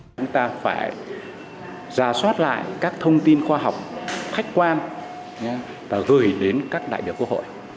chúng ta phải ra soát lại các thông tin khoa học khách quan và gửi đến các đại biểu quốc hội